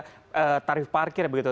tidak tarif parkir begitu